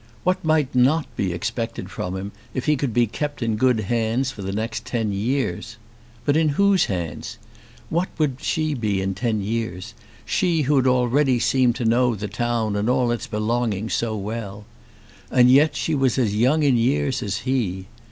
What might not be expected from him if he could be kept in good hands for the next ten years! But in whose hands? What would she be in ten years, she who already seemed to know the town and all its belongings so well? And yet she was as young in years as he.